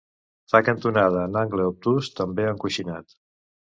Fa cantonada en angle obtús, també encoixinat.